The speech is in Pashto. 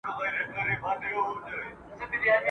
ما د خپلي سجدې لوری له اورغوي دی اخیستی !.